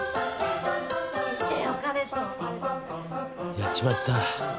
やっちまった。